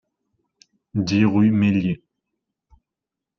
dix rue Meillier